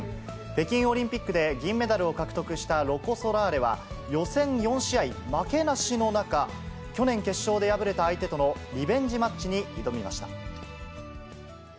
北京オリンピックで銀メダルを獲得したロコ・ソラーレは、予選４試合負けなしの中、去年決勝で敗れた相手とのリベンジマッチに挑みました。